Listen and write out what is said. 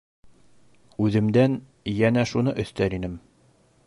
Үҙемдән йәнә шуны өҫтәр инем: